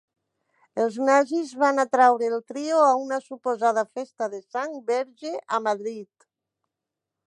El nazis van atraure el trio a una suposada festa de sang verge a Madrid.